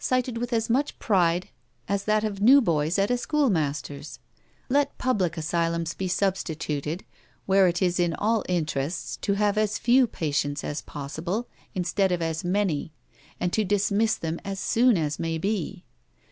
cited with as much pride as that of new boys at a schoolmaster's. Let public asylums be substituted, where it is in all interests to have as few patients as possible, instead of as many, and to dismiss them as soon as may be.